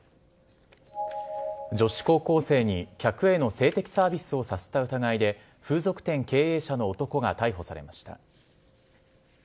女子高校生に客への性的サービスをさせた疑いで、風俗店経営者の男が逮捕されました。